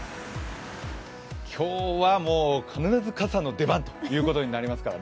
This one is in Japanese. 今日はもう、必ず傘の出番ということになりますからね。